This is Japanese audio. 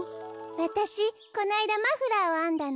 わたしこのあいだマフラーをあんだの。